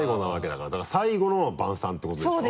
だから最後の晩餐ってことでしょ？